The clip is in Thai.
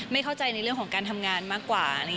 ไม่เข้าใจในเรื่องของการทำงานมากกว่า